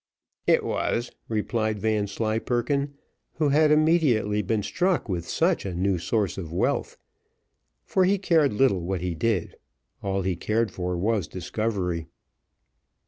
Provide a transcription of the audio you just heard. "It was," replied Vanslyperken, who had immediately been struck with such a new source of wealth; for he cared little what he did all he cared for was discovery.